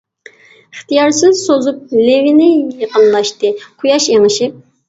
ئىختىيارسىز سوزۇپ لېۋىنى، يېقىنلاشتى قۇياش ئېڭىشىپ.